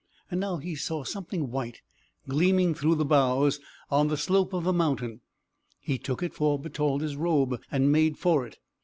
And now he saw something white gleaming through the boughs, on the slope of the mountain; he took it for Bertalda's robe and made for it.